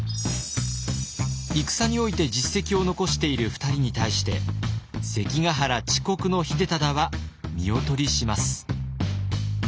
戦において実績を残している２人に対して関ヶ原遅刻の秀忠は見劣りします。